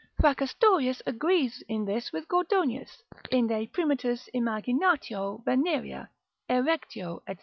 Fracastorius agrees in this with Gordonius, inde primitus imaginatio venerea, erectio, &c.